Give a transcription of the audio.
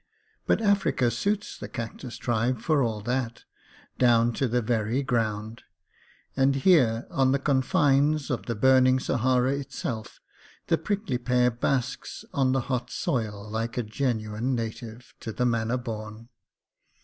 But Africa suits the cactus tribe, for all that, down to the very ground ; and here on the confines of the burning Sahara itself the prickly pear basks on the hot soil like a genuine native, to the manner born.